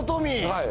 はい。